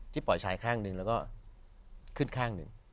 ปล่อยชายข้างหนึ่งแล้วก็ขึ้นข้างหนึ่ง